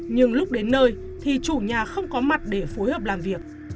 nhưng lúc đến nơi thì chủ nhà không có mặt để phối hợp làm việc